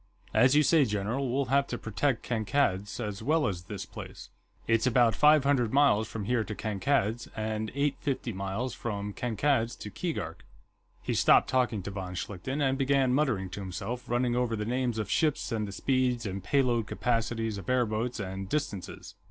"As you say, general, we'll have to protect Kankad's, as well as this place. It's about five hundred miles from here to Kankad's, and eight fifty miles from Kankad's to Keegark...." He stopped talking to von Schlichten, and began muttering to himself, running over the names of ships, and the speeds and pay load capacities of airboats, and distances.